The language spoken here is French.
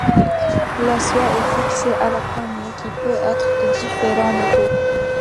La soie est fixée à la poignée, qui peut être de différents métaux.